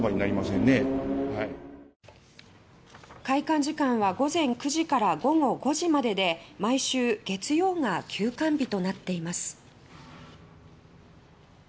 開館時間は午前９時から午後５時までで毎週月曜が休館日となっています。